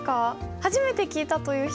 初めて聞いたという人？